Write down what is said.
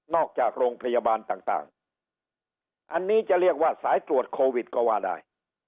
จากโรงพยาบาลต่างอันนี้จะเรียกว่าสายตรวจโควิดก็ว่าได้